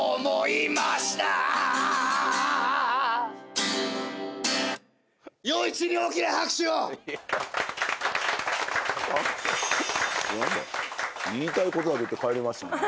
言いたいことだけ言って帰りましたね